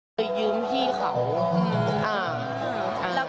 โปรดติดตามต่อไป